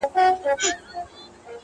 مامې په سکروټو کې خیالونه ورلېږلي وه؛